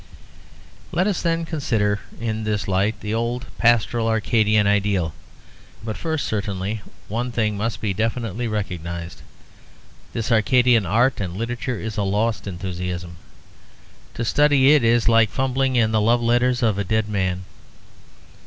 Let us, then, consider in this light the old pastoral or Arcadian ideal. But first certainly one thing must be definitely recognised. This Arcadian art and literature is a lost enthusiasm. To study it is like fumbling in the love letters of a dead man.